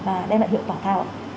và đem lại hiệu quả cao